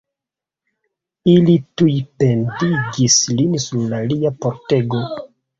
Ili tuj pendigis lin sur lia pordego.